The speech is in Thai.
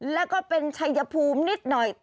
แล้วก็เป็นชัยภูมินิดหน่อย